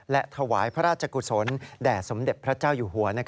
และถวายพระราชกุศลแด่สมเด็จพระเจ้าอยู่หัว